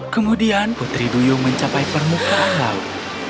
kemudian putri duyung mencapai permukaan laut